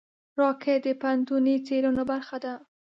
راکټ د پوهنتوني څېړنو برخه ده